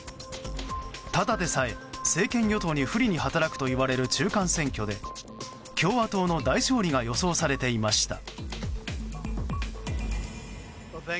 ただでさえ、政権与党に不利を働くといわれる中間選挙で共和党の大勝利が予想されていました。